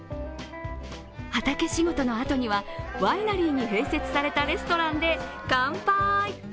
畑仕事のあとにはワイナリーに併設されたレストランで乾杯。